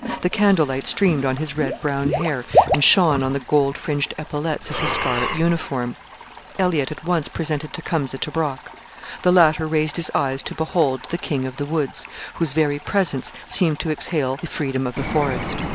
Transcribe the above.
The candlelight streamed on his red brown hair and shone on the gold fringed epaulets of his scarlet uniform. Elliott at once presented Tecumseh to Brock. The latter raised his eyes to behold 'the king of the woods,' whose very presence seemed to exhale the freedom of the forest.